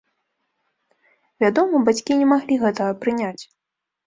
Вядома, бацькі не маглі гэтага прыняць.